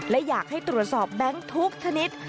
และอยากให้ตรวจสอบแบงค์ทุกชนิด